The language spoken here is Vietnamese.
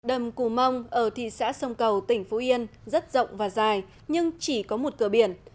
đầm cù mông ở thị xã sông cầu tỉnh phú yên rất rộng và dài nhưng chỉ có một cửa biển